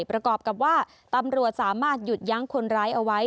ประกอบกับว่าตำรวจสามารถหยุดยั้งคนร้ายเอาไว้